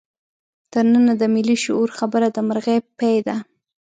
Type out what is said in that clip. تر ننه د ملي شعور خبره د مرغۍ پۍ ده.